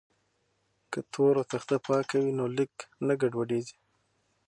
که تور تخته پاکه وي نو لیک نه ګډوډیږي.